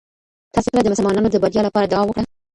تاسي کله د مسلمانانو د بریا لپاره دعا وکړه؟